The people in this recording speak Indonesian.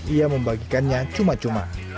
ia membagikannya cuma cuma